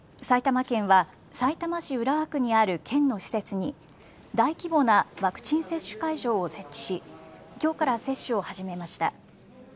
埼玉県は、さいたま市浦和区にある県の施設に大規模なワクチン接種会場を設置し、きょうから接種を始めました。